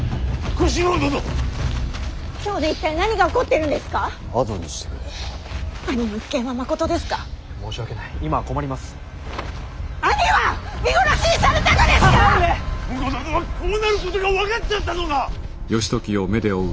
婿殿はこうなることが分かっておったのか！